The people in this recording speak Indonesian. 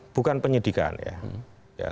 bukan penyidikan ya